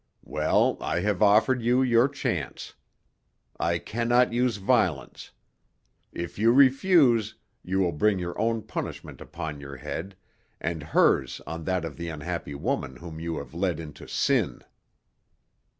"Well, I have offered you your chance. I cannot use violence. If you refuse, you will bring your own punishment upon your head, and hers on that of the unhappy woman whom you have led into sin."